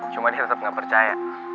cuma dia tetep gak percaya